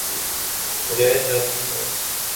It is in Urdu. رہ جاتی ہے۔